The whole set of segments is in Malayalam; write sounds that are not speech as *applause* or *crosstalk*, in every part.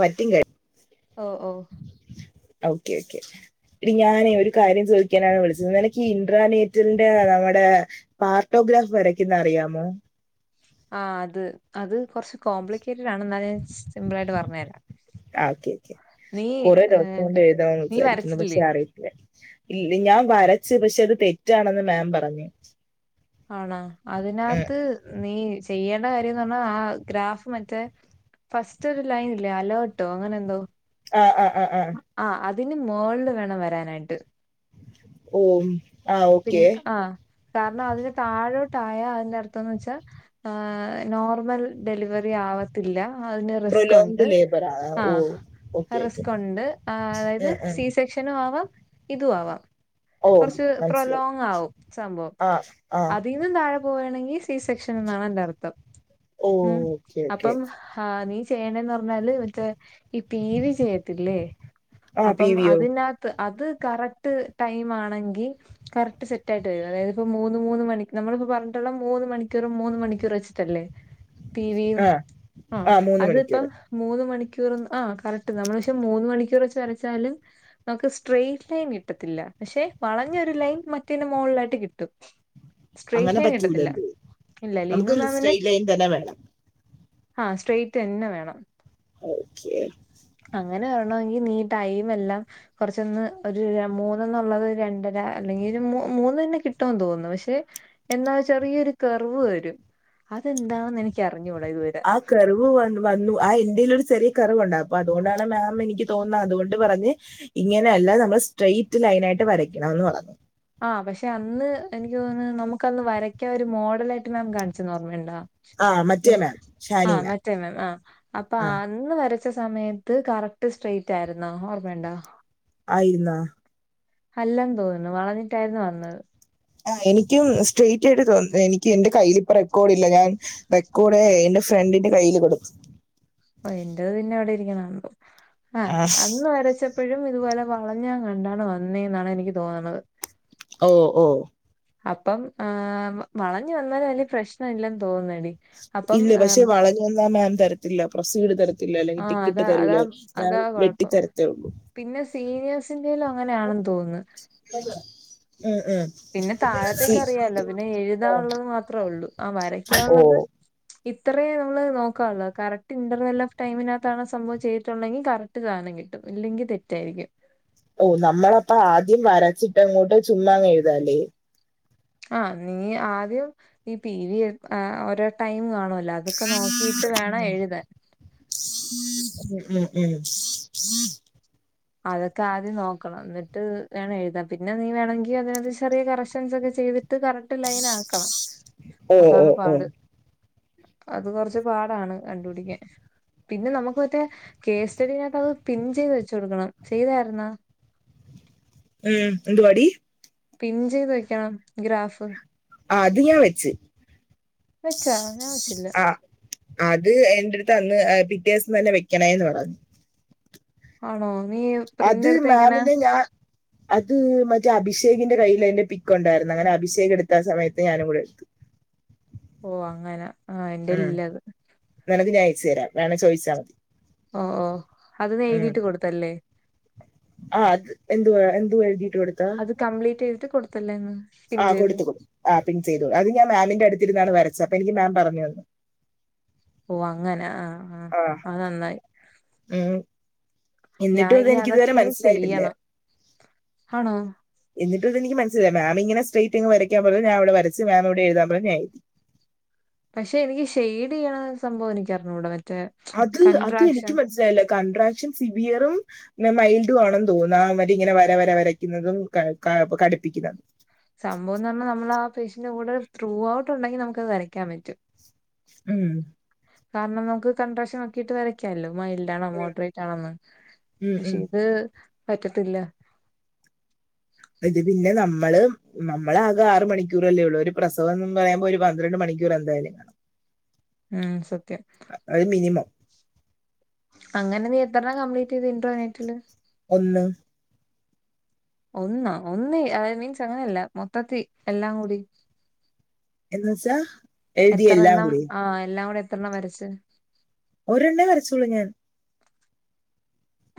പറ്റി കേ ഓ ഓ ഓക്കെ ഓക്കെ എടി ഞാനേ ഒരു കാര്യം ചോദിക്കാനാണ് വിളിച്ചത് നിനക്കീ ഇൻട്രാനെറ്റിന്റെ നമ്മടെ പാർട്ടോഗ്രാഫ് വരയ്ക്കുന്നറിയാമോ? ആ അത് അത് കൊർച്ച് കോംപ്ലിക്കേറ്റ്ഡാണ് എന്നാലും ഞാൻ ജസ്റ്റ് സിമ്പിളായിട്ട് പറഞ്ഞെരാം. ആ ഓക്കെ ഓക്കെ കുറേ ദിവസം കൊണ്ട് എഴുതാമെന്ന് നീ വിചാരിക്കുന്നു വരച്ചിട്ടില്ലേ പക്ഷെ അറിയ ത്തില്ല. ഞാൻ വരച്ച് പക്ഷെ അത് തെറ്റാണെന്ന് മാം പറഞ്ഞു. ആണോ? ഉം. അതിനകത്ത് നീ ചെയ്യേണ്ട കാര്യംന്ന് പറഞ്ഞാ ആ ഗ്രാഫ് മറ്റെ ഫസ്റ്റൊരു ലൈനില്ലേ അലേർട്ടോ അങ്ങനെന്തോ? ആഹ് ആഹ് ആ ആ ആ അതിന് മേൾല് വേണം വരാനായിട്ട്. ഓഹ് പിന്നെ ആ കാരണം അതിന് താഴോട്ടായാ അതിന്റെ അർഥോന്ന് വെച്ചാ എഹ് നോർമൽ ഡെലിവറി ആവാത്തി ത്തില്ല. അതിന് റിസ്കുണ്ട്. പ്രൊലോങ്ഡ് ലേബർ ആ ഓ ഓക്കെ ആഹ് ഓക്കെ റിസ്കുണ്ട് ആ അതായത് ഉം, ഉം. സി സെക്ഷൻ നുആവാം ഇതു ആവാം. ഓ കൊറച്ച് മനസ്സിലായി പ്രൊലോങ്ങാവും സംഭവം. ആ ആ അതീന്നു താഴെ പോവാണെങ്കി സി സെക്ഷനെന്നാണയിന്റർത്ഥം ഓ ഉം ഓക്കെ ഓക്കെ അപ്പം ആഹ് നീ ചെയ്യേണ്ടേന്ന് പറഞ്ഞാല് മറ്റേ ഈ പി വി ചെയ്യത്തില്ലേ ആ പി അപ്പം വിയോ അതിന ത്ത് അത് കറക്ട് ടൈമാണെങ്കിൽ കറക്റ്റ് സെറ്റായിട്ടു വരും. അതായത് ഇപ്പ മൂന്ന് മൂന്ന് മണി നമ്മളിപ്പ പറഞ്ഞിട്ടുള്ള മൂന്ന് മണിക്കൂറ് മൂന്ന് മണിക്കൂർ വെച്ചിട്ടല്ലേ? *inaudible* പി വി യും ആ ആഹ് ആ മൂന്ന് അത്പ്പം മണിക്കൂർ മൂന്ന് മണിക്കൂറ് ആ കറക്റ്റ് നമ്മള് പക്ഷെ മൂന്ന് മണിക്കൂർ വെച്ച് വരച്ചാല് നമുക്ക് സ്ട്രെറ്റ് ലൈൻ കിട്ടത്തില്ല പക്ഷെ വളഞ്ഞൊരു ലൈൻ മറ്റേന്റെ മോളിലായിട്ട് കിട്ടും സ്ട്രൈറ്റ് അങ്ങനെ ലൈൻ കിട്ടത്തില്ല പറ്റൂലല്ലോ ഇല്ല ലീനു നമുക്ക് മാമിന് സ്ട്രെയിറ്റ് ലൈൻ തന്നെ വേണം ആഹ് സ്ട്രൈന്നെ വേണം ഓക്കെ അങ്ങനെ വരണോങ്കി നീ ടൈമെല്ലാം കൊറച്ചൊന്ന് ഒരു മൂന്നന്നുള്ളത് രണ്ടര അല്ലെങ്കി ഒരു മൂന്നന്നെ കിട്ടൊവോന്ന് തോന്നുണ് പക്ഷെ എന്നാൽ ചെറിയൊരു കെർവ് വരും അതെന്താണെന്ന് എനിക്കറിഞ്ഞൂട ഇതുവരെ ആ കെർവ് വ വന്നു ആ ഇന്റെലൊരു ചെറിയ കെർവ്ണ്ടായ് അപ്പൊ അതുകൊണ്ടാണ് മാം എനിക്ക് തോന്നുന്നത് അതുകൊണ്ട് പറഞ് ഇങ്ങനെയല്ല നമ്മൾ സ്ട്രൈറ്റ് ലൈനായിട്ട് വരയ്ക്കണംന്ന് പറഞ്ഞു ആഹ് പക്ഷെ അന്ന് എനിക്ക് തോന്നുന്നു നമുക്കന്ന് വരക്കാ ഒരു മോഡലായിട്ട് മാം കാണിച്ചെന്ന് ഓർമയുണ്ടാ? ആ മറ്റേ മാം ഷാനി ആഹ് മറ്റേ മാം ആഹ് അപ്പൊ ആ അന്ന് വര ച്ച സമയത്ത് കറക്റ്റ് സ്ട്രൈയിറ്റായിരുന്നോ? ഓർമ്മയുണ്ടോ? ആയിര്ന്നാ? അല്ലെന്ന് തോന്നുന്നു വളഞ്ഞിട്ടായിരുന്നു വന്നത് ആ എനിക്കും സ്ട്രൈറ്റായിട്ട് തോന്ന എനിക്ക് എന്റെ കയ്യിലിപ്പൊ റെക്കോഡില്ല ഞാൻ റെക്കോഡെ എന്റെ ഫ്രണ്ടിന്റെ കയ്യില് കൊടു ഓഹ് എന്റത് പിന്നെ ഇവിടെരിക്ക്ണുണ്ട് ആ അന്ന് വരച്ച പ്പഴും ഇതുപോലെ വളഞെങ്ങാണ്ടാണ് വന്നേന്നാണെനിക്ക് തോന്ന്ണത് ഓഹ് ഓഹ് അപ്പം ആഹ് വളഞ് വന്നാല് വല്ല്യ പ്രശ്നവില്ലെന്ന് തോന്നുന്നെടി അപ്പം ഇല്ല പക്ഷെ ആഹ് വളഞ്ഞ വന്നാ മാം തരത്തില്ല പ്രൊസീഡ് തരത്തില്ല ല്ല അല്ലെങ്കിൽ ആഹ് ടിക്കിറ്റ് അതാ തരൂല അതാ അതാ വെട്ടി കൊഴപ്പം. തരത്തേള്ളൂ പിന്നെ സീനിയേഴ്സിന്റെലും അങ്ങനെയാണെന്ന് തോന്നുന്നു ആഹ് ആഹ് പിന്നെ താഴത്തേക്ക് അറിയാലോ പിന്നെ ആ, എഴുതാള്ളത് മാത്രേ ഉള്ളു ആഹ് ഓ വരക്കാഉള്ളത് ഇത്രയേ നമ്മള് നോക്കുള്ളോ കറക്റ്റ് ഇന്റർവെൽ ഓഫ് ടൈമിനകത്താണ് സംഭവം ചെയ്തിട്ടുണ്ടെങ്കിൽ കറക് ത സാധനം കിട്ടും ഇല്ലെങ്കിൽ തെറ്റായിരിക്കും ഓഹ് നമ്മളപ്പ ആദ്യം വരച്ചിട്ട അങ്ങോട്ട് ചുമ്മാ എഴുതല്ലേ ആഹ് നീ ആദ്യം ഈ പിടി വി ഓരോ ടൈം കാണുമല്ലോ അത് ഒക്കെ നോക്കിയിട്ട് വേണം എഴുതാൻ ഉം ഉം ഉം അതൊക്കെ ആദ്യം നോക്കണം എന്നിട്ട് വേണം എഴുതാ പിന്നെ നീ വേണമെങ്കി അതിനകത്ത് ചെറിയ കറക്ഷൻസ് ഒക്കെ ചെയ്തിട്ട് ഇത്ത് കററ്റ് ലൈൻ ആക്കണം ഓ ഓ അതാണ് ഓ പാട് അത് കൊറച്ച് പാടാണ് കണ്ടുപിടിക്കാൻ പിന്നെ നമുക്ക് മറ്റേ കേസ് സ്റ്റഡീകത്ത് അത് പിൻ ചെയ്ത് വെച്ച് കൊടുക്കണം ചെയ്തായിരുന്നാ ഉം എന്തുവാടി പിൻ ചെയ്ത് വെക്കണം ഗ്രാഫ് ആഹ് അത് ഞാ വെച്ചു വച്ചാ ഞാവച്ചില്ല ആ അത് എന്റെ അടുത്ത് അന്ന് പിറ്റേ ദിവസം തന്നെ വെക്കണേന്ന് പറഞ്ഞു ആണോ നീ പ്രിന്റ് അത് എടുത്ത എങ്ങനാ മാമിനെ ഞാൻ അത് മറ്റേ അഭിഷേകിന്റെ കയ്യില് അതിന്റെ പിക്ക് ഉണ്ടായിരുന്നു അങ്ങനെ അഭിഷേക് എടുത്ത സമയത്ത് ഞാനും കൂടെ എടുത്തു ഓഹ് അങ്ങനെ ആഹ് എന്റെല്ലത് നെ നക്ക് ഞാ അയച്ചു തരാം വേണം ചോയിച്ചാൽ മതി ഓഹ് ഓഹ് അത് ന എഴുതിയിട്ട് കൊടുത്തല്ലേ ആഹ് അത് എന്തു എന്തു എഴുതിട്ട് കൊടുത്ത കംപ്ലീറ്റീത്ട്ട് കൊട്ത്തില്ലേന്ന് ആഹ് കൊടുത്തുക്കു ആ പിൻ ചെയ്തു അത് ഞാൻ മാമിന്റെ അടുത്തിര്ന്നാണ് വരച്ച് അപ്പൊ എനിക്ക് മാം പറഞ്ഞ് തന്നു ഓഹ് അങ്ങനെ ആഹ് ആഹ് ആ അത് നന്നായി ഉം ഞാൻ ഇന്നിട്ടും ഇത് ഇനി അതൊക്കെ എനിക്കിതുവരെ ഇനി മനസ്സിലായിട്ടില്ലാ ചെയ്യണം ആണോ എന്നിട്ടും ഇത് എനിക്ക് മനസ്സിലായില മാം ഇങ്ങനെ സ്ട്രേറ്റിങ് വരയ്ക്കാൻ പറിം ഞാവടെ വരച്ച് മാം ഇവിടെ എഴുതാൻ പറിം ഞാഴ്‌തി പക്ഷേ എനിക്ക് ഷെയ്ഡ്യ്യ്ണ സംഭവം എനിക്കറിഞ്ഞൂട മറ്റേ അത് അത് കൺട്രാക്ഷൻ എനിക്കും മനസ്സിലായില്ല കണ്ട്രാക്ഷൻ സിബിയറും പിന്നെ മൈൽഡു ആണെന്ന് തോന്നുന്നു ആ വരി ഇങ്ങനെ വര വര വരയ്ക്കുന്നതും ക കാ കടുപ്പിക്കുന്ന സംഭവംന്ന് പറഞ്ഞാ നമ്മളാ പേഷ്യന്റ് കൂടെ ത്രൂ ഔട്ട് ഉണ്ടെങ്കിൽ നമുക്കത് വരയ്ക്കാൻ പറ്റും ഉം കാരണം നമുക്ക് കണ്ട്രാഷനാക്കീട്ട് വരയ്ക്കാല്ലോ മൈൽ ഡാണോ മോഡ്റേറ്റ് ആണോന്ന് ഉം, പക്ഷേ ഉം. ഇത് പറ്റത്തില്ല ഇത് പിന്നെ നമ്മള് നമ്മള് ആകെ ആറ് മണിക്കൂറല്ലേ ഉള്ളൂ ഒരു പ്രസവം ന്നും പറയുമ്പോ ഒരു പന്ത്രണ്ട് മണിക്കൂർ എന്തായാലും കാണും ഉം സത്യം അഅ് മിനിമം അങ്ങനെ നീ എത്രെണ്ണം കംപ്ലീറ്റീതു ഇൻട്രോനെറ്റില് ഒന്ന് ഒന്നാ ഒന്ന് എ അതായത് മീൻസ് അങ്ങനെയല്ല മൊത്തത്തി എല്ലാം കൂടി എന്ന്വെച്ചാ എത്രണ്ണം ആഹ് എല്ലാം കൂടെ എത്രണ്ണം വരച്ച് ഒരെണ്ണേ വരച്ചൊള്ളൂ ഞാൻ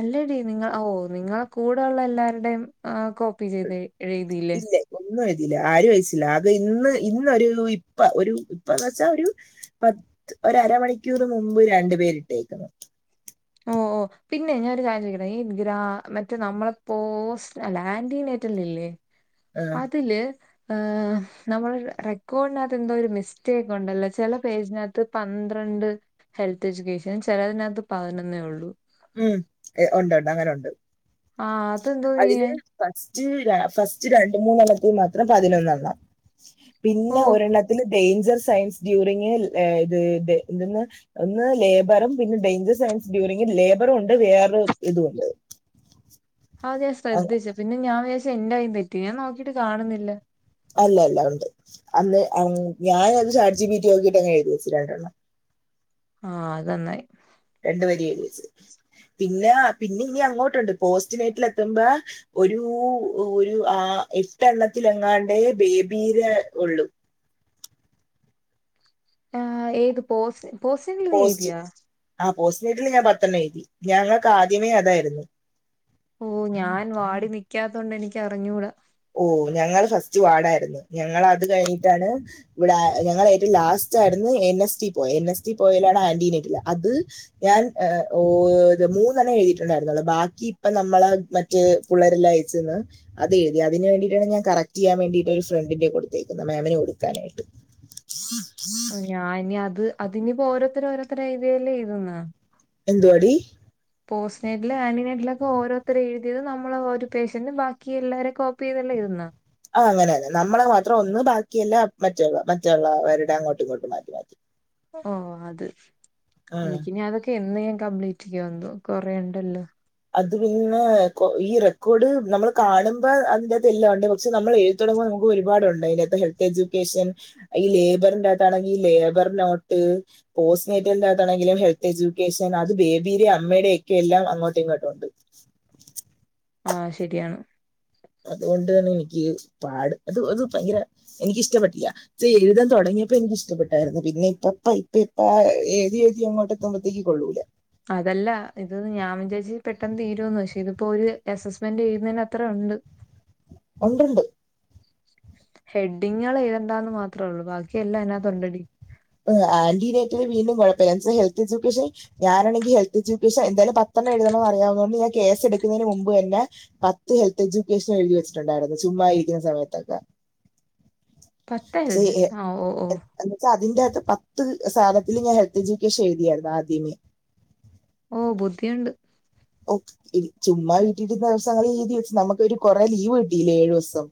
അല്ലടീ നിങ്ങൾ ഓഹ് നിങ്ങളെ കൂടെ ഉള്ള എല്ലാര്ടേയും ഏഹ് കോപ്പി ചെയ്ത് എഴ്‌തീല്ലേ ഇല്ല ഒന്നും എഴുതിയില്ല ആര് ഓയ്ച്ചില അത് ഇന്ന് ഇന്നൊരൂ ഇപ്പ ഒരു ഇപ്പന്ന് ച്ചാ ഒരു പത്ത് ഒരരമണിക്കൂർ മുമ്പ് രണ്ട് പേരിട്ടേക്ക്ണ് ഓ ഓ പിന്നെയ് ഞാനൊര് കാര്യം ചോയിക്കട്ടേ ഈ ഗ്രാ മറ്റേ നമ്മള്പ്പോസ് അല്ല ആൻറീനേറ്റ്ർല്ല്ല്ലേ ആ അതില് ഏഹ് നമ്മളെ റെക്കോർഡിനകത്ത് എന്തോ ഒരു മിസ്റ്റേക്ക് ഉണ്ടല്ലോ ചില പേജിനകത്ത് പന്ത്രണ്ട് ഹെൽത്ത് എഡ്യൂക്കേഷൻ ചെലതിനകത്ത് പതിനൊന്നേ ള്ളൂ ഉം ഏ ഉണ്ട് ഉണ്ട് അങ്ങന ഉണ്ട് ആഹ് അതെന്തോ അതില് ചെയ്യാൻ ഫസ്റ്റ് ര ഫസ്റ്റ് രണ്ട് മൂന്നെണ്ണത്തിൽ മാത്രം പതിനൊന്നെണ്ണം ഓ പിന്നെ ഒരെണ്ണത്തില് ഡേയ്ഞ്ചർ സയൻസ് ഡ്യൂറിങ് ഏ ഇത് ത് എന്തെന്ന് ഒന്ന് ലേബറും പിന്നെ ഡേയ്ഞ്ചർ സയൻസ് ഡ്യൂറിംഗ് ലേബറുണ്ട് വേറൊ ഇതുണ്ട് ആ തായാ ഞാൻ ശ്രദ്ധിച്ചു പിന്നെ ഞാൻ വിചാരിച്ച് എന്റെ കയ്യ്ന്ന് തെറ്റി ഞാൻ നോക്കീട്ട് കാണുന്നില്ല അല്ലല്ല ഉണ്ട് അന്ന് അം ഞാനത് ചാറ്റ് ജി ബിറ്റി ഓക്കീറ്റ് അങ്ങ് എഴുതിവെച്ച് രണ്ടണ്ണം ആഹ് അത് നന്നായി രണ്ട് വരി എഴ്‌തി വെച്ച് പിന്നേ പിന്നിം ഇഞ്ഞ് അങ്ങോട്ട്ണ്ട് പോസ്റ്റ്നൈറ്റിലെത്തുമ്പോ ഒരൂ ഒരു ആ എട്ടെണ്ണത്തിലെങ്ങാണ്ട് ബേബീരേ ഒള്ളൂ ആഹ് ഏത് പോസ് പോസ ൻ ലു എയ്ത്യാ ആഹ് പോസ്റ്റ് നൈറ്റിൽ ഞാൻ പത്തണ്ണം എയ്തി ഞങ്ങൾക്ക് ആദ്യമേ അതായിരുന്നു ഓഹ് ഞാൻ വാഡിൽ നിക്കാത്തോണ്ട് എനിക്കറിഞ്ഞൂട ഓഹ് ഞങ്ങള് ഫസ്റ്റ് വാഡായിരുന്നു ഞങ്ങള് അത് കഴിഞ്ഞിട്ടാണ് ഇവിടെ ഞങ്ങള് ഏറ്റും ലാസ്റ്റ് ആയിരുന്നു എൻ എസ് ടി പോയേ എൻ എസ് ടി പോയേലാണ് ആന്റീനേറ്റില് അത് ഞാൻ ഏ ഓ ത് മൂന്നണ്ണേ എഴ്‌തീട്ടുണ്ടായിരുന്നൊള്ളു ബാക്കി ഇപ്പ നമ്മളെ മ റ്റേ പുള്ളേരെല്ലാം അയച്ചന്ന് അത് എ തി അതിന് വേണ്ടീട്ടാണ് ഞാൻ കറക്റ്റീയ്യാൻ വേണ്ടീട്ട് ഒരു ഫ്രണ്ടിന്റെ കൊട്ത്തേക്ക്ന്ന് മാമിന് കൊടുക്കാനായിട്ട് ഞാനി അത് അത്ഞ്ഞ്പ്പോ ഓരോത്തര് ഓരോത്തരെഴുതിയേല് എഴ്‌ത് ന്നോ എന്തുവാ ടീ പോസ്റ്റെഡില് ആൺമേനെഡിലൊക്കെ ഓരോരുത്തര് എഴുതിയത് നമ്മള് ഓര് പേഷ്യന്റും ബാക്കി എല്ലാവാരും കോപ്പി ചെയതല്ലെ എഴുതുന്ന ആഹ് അങ്ങനെ തന്നെ നമ്മള് മാത്രം ഒന്ന് ബാക്കിയെല്ലാം മറ്റുള്ള മറ്റുള്ളവരുടെ അങ്ങോട്ടും ഇങ്ങോട്ടും മാറ്റി മാറ്റി ഓ അത് ഉം എനിക്കിനി അതൊക്കെ എന്നേ കംപ്ലീറ്റ്ക്ക് ചെയ് വെന്തോ കൊറേണ്ടല്ലോ അത് പിന്നെ കൊ ഈ റെക്കോർഡ് നമ്മള് കാണുമ്പോ അതിൻ്റെ അകത്ത് എല്ലാം ഉണ്ട് പക്ഷെ നമ്മള് ഏഴ് ഴുതുമ്പോ നമുക്ക് ഒരുപാടുണ്ട് അതിനകത്തെ ഹെൽത്ത് എജൂക്കേഷൻ ഈ ലേബറിന്റെ അകത്താണെങ്കിൽ ഈ ലേബർനോട്ട് പോസ്റ്റ് മെറ്റകത്താണെങ്കില് ഹെൽത്ത് എജൂക്കേഷൻ അത് ബേബിയുടെ അമ്മയുടെ ഒക്കെ എല്ലാം അങ്ങോട്ടും ഇങ്ങോ ആണ്ട് ആഹ് ശരിയാണ് അത് കൊണ്ട് തന്നെ എനിക്ക് ഈ പാട് അത് അത് ഭയങ്കര എനിക്ക് ഇഷ്ടപ്പെട്ടില്ല ചെയ്ത് തുടിങ്ങിയപ്പോ എനിക്ക് ഇഷ്ടപ്പെട്ടായിരുന്നു പിന്നെ ഇപ്പപ്പ ഇപ്പ ഇപ്പ ആ ഏത് എഴുതി അങ്ങോട്ട് എത്തുമ്പോഴത്തേക്ക് കൊള്ളൂല അതല്ല ഇത് ഞാൻ വിചാരിച്ചി പെട്ടെന്ന് തീരുമെന്ന് പക്ഷേ ഇതിപ്പോ ഒരു എസസ്മെന്റ് ചെയ്യുന്നതിന് അത്ര ഉണ്ട് ഉണ്ട് ഉണ്ട് ഹെഡിങ്ങള് ഏഴുതണ്ടാന്ന് മാത്രേ ഉള്ളൂ ബാക്കിയെല്ലാം അതിനകത്ത് ഉണ്ടടി ത് ആന്റിനേറ്റർ വീണ്ടും കുഴപ്പമില്ല എന്നു വെച്ച ഹെൽത്ത് എജൂക്കേഷൻ ഞാനാണെങ്കി ഹെൽത്ത് എജൂക്കേഷൻ എന്തായാലും പത്തെണ്ണം എഴുതണന്ന് അറിയാവുന്ന കൊണ്ട് ഞാൻ കേസ് എടുക്കുന്നതിന് മുമ്പ് തന്നെ പത്ത് ഹെൽത്ത് എജൂക്കേഷൻ എഴുതി വെച്ചിട്ടുണ്ടായിരുന്നു ചുമ്മാ ഇരിക്കുന്ന സമയത്തൊക്കെ പത്ത് എഴുതരുത് ആഹ്ഓ ഓ എന്ന വെച്ചാ അതിന്റെ അകത്ത് പത്ത് സാനത്തിൽ ഞാൻ ഹെൽത്ത് എജൂക്കേഷൻ എഴുതിയായിരുന്നു ആദ്യമേ ഓ ബുദ്ധിയുണ്ട് ഓ ഈ ചുമ്മാ വീട്ടിരുന്ന ദിവസം അങ്ങനെ എഴുതി വെച്ച് നമുക്ക് ഒരു കൊറെ ലീവ് കിട്ടിയില്ല ഏഴുസം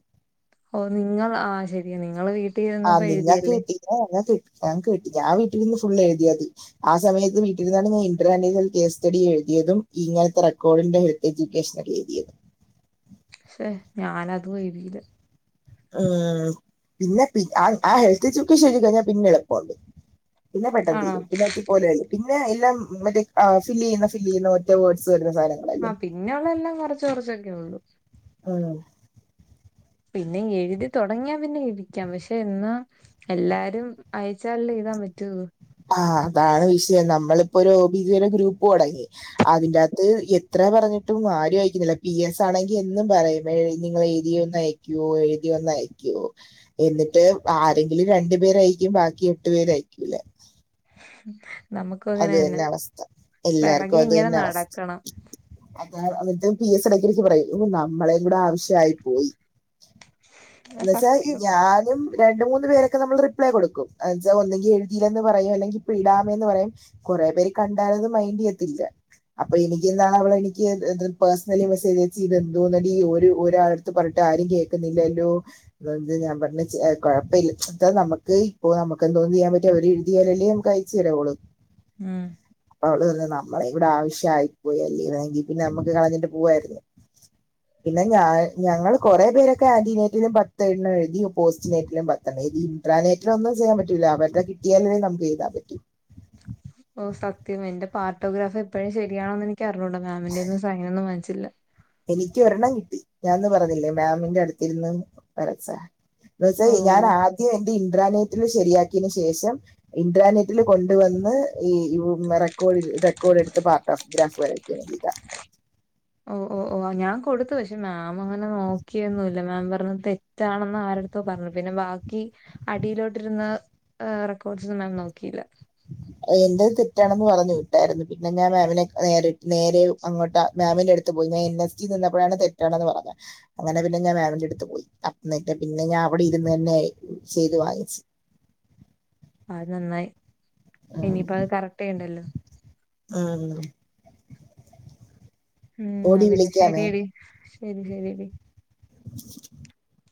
ഓ നിങ്ങൾ ആഹ് ശരിയാ നിങ്ങള് വീ ആഹ് നിങ്ങക്ക് കിട്ടി ഞങ്ങക്ക് കി ഞങ്ങക്ക് കിട്ടി ഞാൻ വീട്ടിരുന്ന് ഫുള് എഴുതിയതി ആഹ് സമയെത്ത് വീട്ടിൽ ഇര്ന്നാണ് ഞാൻ ഇൻട്രാനലിൽ കേസ് സ്റ്റഡി എഴ്തിയെതും ഇങ്ങനത്തെ റെക്കോർഡിന്റെ എജുക്കേഷനെൽ എഴ്തിയെതും സെ ഞാൻ അതും എഴ്തിലാ ആഹ് പിന്നെ പി ആ ആ ഹെൽത്ത് എജൂകെഷൻ എഴുതി കഴിഞ്ഞാ പിന്നെ എളുപ്പം ഇണ്ട്. പിന്നെ പെട്ടെന്ന് ആണോ തീരും പിന്നെ *unintelligible* പോലെ വെരും പിന്നെ എല്ലാം മറ്റെ ആ ഫില്ല് ചെയ്യുന്ന ഫില്ല് ചെയ്യുന്ന ഒറ്റ വേർഡ്സ് വെരുന്ന സാന ആഹ് പിന്നെ ഉള്ളെ എല്ലാം കൊറച്ച് കൊറച്ചൊക്കെ ഒള്ളു. ആഹ് പിന്നെ എഴ്തി തൊടങ്ങിയാ പിന്നെ ഇരിക്കാം പക്ഷെ എന്നാ എല്ലാരും അയച്ചാൽ അല്ലെ എഴ്താൻ പറ്റു ആഹ് അതാണ് വിഷയം നമ്മളിപ്പോ ഒരു ഒ ബി ജി ടെ ഗ്രൂപ്പ് തൊടങ്ങി അതിന്റെ അകത്ത് എത്ര പറഞ്ഞിട്ടും ആരും അഴക്കുന്നില്ല പി എസ് ആണെങ്കി എന്നും പറയും ഇന്നാ എഴ്തി നിങ്ങെൾ എഴുതി ഒന്ന് അഴക്കോ എഴ്തി ഒന്ന് അഴക്കോ എന്നിട്ട് ആരെങ്കിലും രണ്ട് പേര് അഴക്കും ബാക്കി എട്ട് പേര് അയക്കൂലാ ഉം അത് തെന്നെ അവസ്ഥ എല്ലാർക്കും പിറകെ അത് ഇങ്ങനെ തെന്നെ അവസ്ഥ. നടക്കണം അതാ എന്നിട്ട് പി എസ് എടക്ക് എടക്ക് പറയും നമ്മളെ കൂടെ ആവശ്യ ആയി പോയി. ആ എന്നു വെച്ചാ ഇ സത്യം ഞാനും രണ്ട് മൂന്ന് പേരൊക്കെ നമ്മെൾ റിപ്ലൈ കൊട്ക്കും എന്ന് വെച്ചാ ഒന്നെങ്കി എഴ്തി എന്ന് പറയും അല്ലെങ്കി ഇപ്പം ഇടാമെന്ന് പറയും കൊറെ പേര് കണ്ടാൽ അത് മൈന്റ് ചെയ്യത്തില്ല. അപ്പ എനിക്ക് ഇന്നാ അവൾ എനിക്ക് ഇത് ഇത് പേഴ്സെണലി മെസ്സേജ് അയച്ചു ഇത് എന്തോന്നെടി ഈ ഒരു ഒരാൾ ത്തും പർണിട്ട് ആരും കേക്ക്ന്നില്ലല്ലോ ഇത് എന്തെ ഞാൻ പർണെച്ചാ അഹ് കൊഴപ്പ ഇല്ല ഇപ്പം നമ്മെക്ക് ഇപ്പോ നമ്മെക്ക് എന്തോന്ന് ചെയാൻ പറ്റും അവ െര് എഴ്തിയാൽ അല്ലെ നമ്മെക്ക് അഴ ച്ചെരു വൊള്ളു ഉം അവൾ പറയാ നമ്മടെ കൂടി ആവശ്യം ആയി പോയി അല്ലെങ്കി *unintelligible* പിന്നെ നമ്മെക്ക് കളഞ്ഞിട്ട് പുവായിരുന്നു പിന്നെ ഞാൻ ഞങ്ങെൾ കൊറെ പേരൊക്കെ അതിനെ ഇതിൽ പത്തെണ്ണം എഴ്തി. പോസ്റ്റ് നേറ്റിലും പത്തെണ്ണം എഴ്തി. റാണെറ്റിൽ ഒന്ന് ചെയ്യാൻ പറ്റിയില്ലാ *unintelligible* *unintelligible* എഴ്താൻ പറ്റി ഓ സത്യം എന്റെ പാർട്ടോഗ്രാഫ് എപ്പഴും ശരിയാണോന്ന് എനിക്ക് അറിഞ്ഞുടാ മാമിന്റെന്ന് സൈൻ നൊന്നും വാങ്ങിച്ചില്ലാ എനിക്ക് ഒരെണ്ണം കിട്ടി ഞാൻ അന്ന് പറഞ്ഞില്ലെ മാമിന്റെ അട്ത്ത് ഇര്ന്ന് വരച്ചാ *unintelligible* ഓ ഞാൻ ആദ്യം എന്റെ ഇൻ്ററാനെറ്റിനും ശരിയാക്കിയെന് ശേഷം ഇന്റ്റാനെറ്റിൽ കൊണ്ട് വന്ന് ഈ യു മെ റെക്കോർഡ് റെക്കോർഡ് എട്ത്ത് പാർട്ട് ഓഫ് ഗ്രാഫ് വെര ഏഹ് ഇതാ ഓഹ് ഓഹ് ഓഹ് ഞാൻ കൊടുത്തു പക്ഷെ മാം അങ്ങനെ നോക്കിയൊന്നും ഇല്ലാ മാം പർണു തെറ്റാണെന്ന് ആര ത്തോ പർണു പിന്നെ ബാക്കി അടിയിലോട്ട് ഇരുന്ന ഏഹ് റെക്കോർഡ്സ് ഒന്നും മാം നോക്കിയില്ല എൻ്റെ തെറ്റാണെന്ന് പറഞ്ഞ് വിട്ടായിരുന്നു പിന്നെ ഞാൻ മാമിനെ ക നേരിട്ട് നേരെ അങ്ങോട്ട് മാമിന് അട് ത്ത് പോയി *unintelligible* നിന്നപ്പളാണ് തെറ്റാണെന്ന് പറഞ്ഞെ അങ്ങനെ പിന്നെ ഞാൻ മാമിൻ്റെ എട്ത്തു പോയി ഇന്നെട്ട് പിന്നെ ഞാൻ അവിടെ ഇരുന്ന് തന്നെ ചെയ്ത് വാങ്ങിച്ച് അത് നന്നായി ഇനിയിപ്പം അഹ് കറക്റ്റ് ചെയ്യണ്ടല്ലോ അയെന്നെ ഉം ഇന്നാ പിന്നെ ശരി എടി ശരി ശരി ശരി എടി *unintelligible*